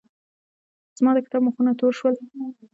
زما د کتاب مخونه تور شول.